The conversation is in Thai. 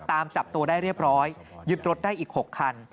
ตามจับตัวได้เรียบร้อยยึดรถได้อีก๖คัน